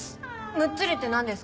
むっつりってなんですか？